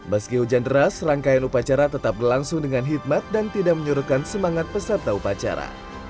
meski hujan deras rangkaian upacara tetap berlangsung dengan hikmat dan tidak menyurutkan semangat peserta upacara